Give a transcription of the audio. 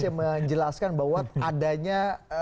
yang menjelaskan bahwa adanya